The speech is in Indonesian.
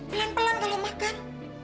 pelan pelan kalau makan